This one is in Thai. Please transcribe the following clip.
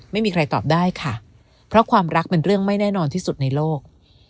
ไม่มีใครตอบได้ค่ะเพราะความรักเป็นเรื่องไม่แน่นอนที่สุดในโลก